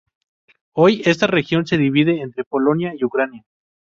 Hoy esta región se divide entre Polonia y Ucrania.